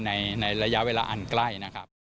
ในระยะเวลาอันใกล้